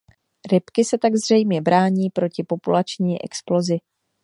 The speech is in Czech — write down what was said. Rybky se tak zřejmě brání proti populační explozi.